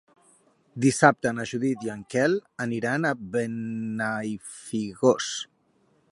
Dissabte na Judit i en Quel aniran a Benafigos.